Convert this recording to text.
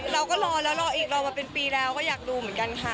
เราก็รอแล้วรออีกรอมาเป็นปีแล้วก็อยากดูเหมือนกันค่ะ